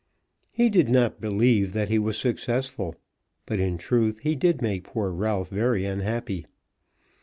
He did not believe that he was successful; but, in truth, he did make poor Ralph very unhappy.